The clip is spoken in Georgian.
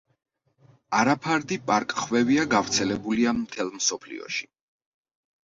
არაფარდი პარკხვევია გავრცელებულია მთელ მსოფლიოში.